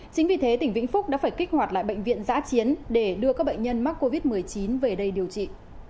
chính vì thế tỉnh vĩnh phúc đã phải kích hoạt lại bệnh viện giã chiến để đưa các bệnh nhân mắc covid một mươi chín về đây điều trị